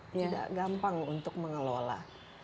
tidak gampang untuk mengelola